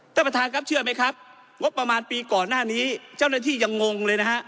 ท่านประธานครับเชื่อไหมครับงบประมาณปีก่อนหน้านี้เจ้าหน้าที่ยังงงเลยนะฮะ